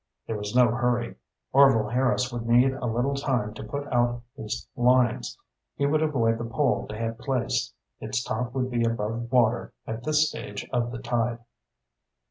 There was no hurry. Orvil Harris would need a little time to put out his lines. He would avoid the pole they had placed; its top would be above water at this stage of the tide.